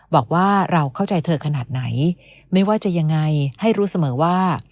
บอกว่าเราเข้าใจเธอขนาดไหนไม่ว่าจะยังไงให้รู้เสมอว่า